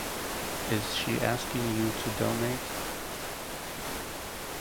Is she asking you to donate?